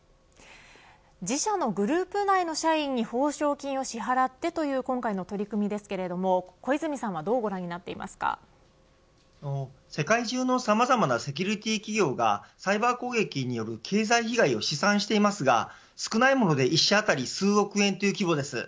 自社のグループ内の社員に報奨金を支払ってというこの取り組みですけれども小泉さんはどうご覧に世界中のさまざまなセキュリティー企業がサイバー攻撃による経済被害を試算していますが少ないもので１社当たり数億円という規模です。